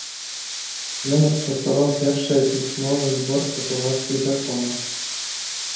Ён распрацаваў першае пісьмовы збор партугальскіх законаў.